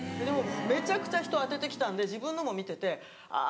めちゃくちゃ人当ててきたんで自分のも見ててあぁ